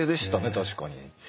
確かに。